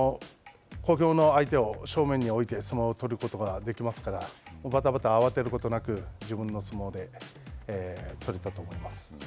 小兵の相手を正面に置いて相撲を取ることができますからばたばた慌てることなく、自分の相撲で取れたと思います。